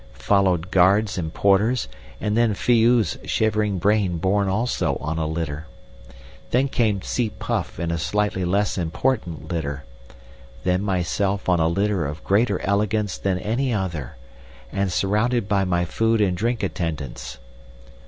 Followed guards and porters, and then Phi oo's shivering brain borne also on a litter. Then came Tsi puff in a slightly less important litter; then myself on a litter of greater elegance than any other, and surrounded by my food and drink attendants.